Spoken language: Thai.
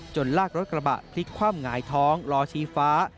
ลากรถกระบะพลิกคว่ำหงายท้องล้อชี้ฟ้า